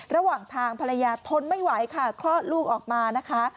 ระหว่างทางภรรยาทนไม่ไหวค่ะคลอดลูกออกมานะคะ